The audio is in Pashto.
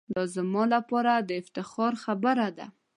دا زما لپاره دافتخار خبره ده.